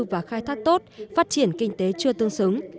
và khai thác tốt phát triển kinh tế chưa tương xứng